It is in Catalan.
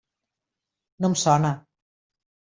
No em sona.